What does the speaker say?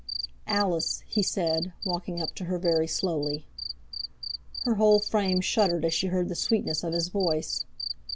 "Alice," he said, walking up to her very slowly. Her whole frame shuddered as she heard the sweetness of his voice.